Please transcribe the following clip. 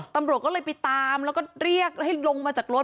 ตำรวจก็เลยไปตามแล้วก็เรียกให้ลงมาจากรถ